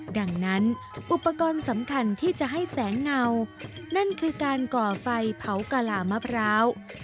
ดังนั้นอุปกรณ์สำคัญที่จะให้แสงเงานั่นคือการก่อไฟเผากะลามะพร้าว